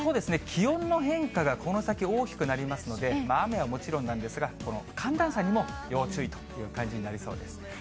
気温の変化がこの先大きくなりますので、雨はもちろんなんですが、この寒暖差にも要注意という感じになりそうです。